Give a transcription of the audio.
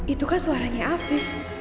itu kan suaranya afiq